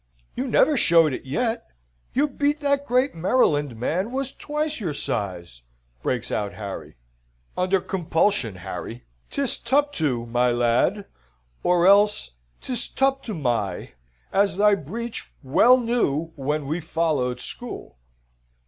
"You never showed it yet. You beat that great Maryland man was twice your size," breaks out Harry. "Under compulsion, Harry. 'Tis tuptu, my lad, or else 'tis tuptomai, as thy breech well knew when we followed school.